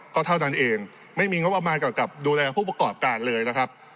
ก็เท่านั้นเองไม่มีงบประมาณเกี่ยวกับดูแลผู้ประกอบการเลยนะครับ